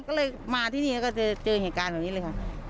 ก็เลยมาที่นี่แล้วก็เจอเหตุการณ์แบบนี้เลยค่ะ